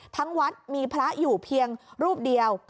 ทั้งวัดมีพระอยู่เพียงรูปเดียว